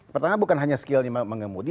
pertama bukan hanya skill pengemudi